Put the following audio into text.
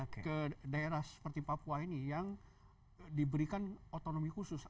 ke daerah seperti papua ini yang diberikan otonomi khusus